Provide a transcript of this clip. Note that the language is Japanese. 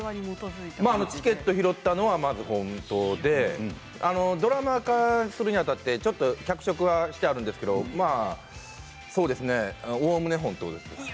チケットを拾ったのは本当でドラマ化するにあたってちょっと脚色はしてあるんですけどおおむね本当です。